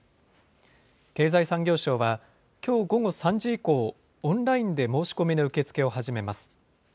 経済産業省は、きょう午後３時以降、オンラインで申し込みの受け付けを始めます。